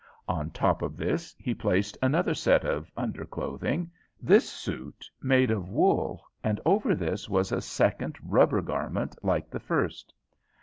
On top of this he placed another set of under clothing, this suit made of wool, and over this was a second rubber garment like the first.